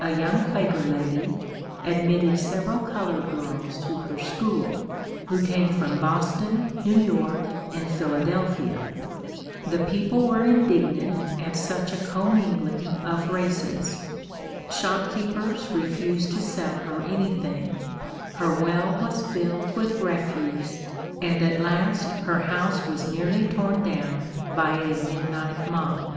a young Quaker lady, admitted several colored girls to her school, who came from Boston, New York, and Philadelphia. The people were indignant at such a commingling of races. Shopkeepers refused to sell her anything; her well was filled with refuse, and at last her house was nearly torn down by a midnight mob.